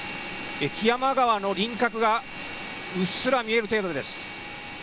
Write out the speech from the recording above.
木山川の輪郭が、うっすら見える程度です。